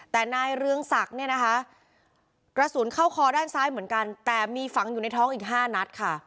แต่นายเรืองศักดิ์เนี่ยนะคะกระสุนเข้าคอด้านซ้ายเหมือนกันแต่มีฝังอยู่ในท้องอีก๕นัดค่ะ